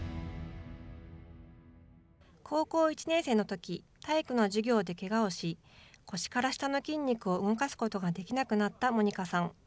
高校１年生のとき体育の授業でけがをし腰から下の筋肉を動かすことができなくなったモニカさん。